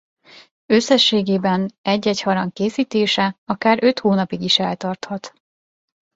Összességében egy-egy harang készítése akár öt hónapig is eltarthat.